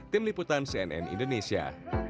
tim liputan cnn indonesia